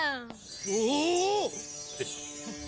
おお！